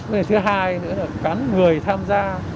cái thứ hai nữa là khán người tham gia